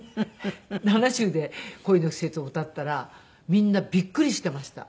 ７０で『恋の季節』を歌ったらみんなびっくりしていました。